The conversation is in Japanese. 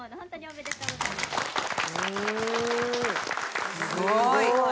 すごい！